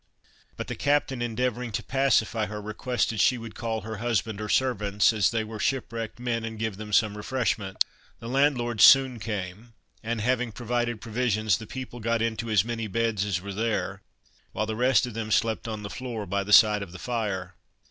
But the captain endeavoring to pacify her, requested she would call her husband or servants, as they were shipwrecked men, and give them some refreshment. The landlord soon came, and, having provided provisions, the people got into as many beds as were there, while the rest of them slept on the floor by the side of the fire.